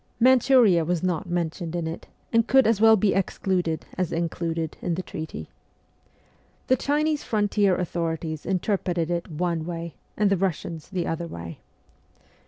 Manchuria was not mentioned in it, and could as well be excluded as included in the treaty. The Chinese frontier authorities interpreted it one way, and the Russians the other way.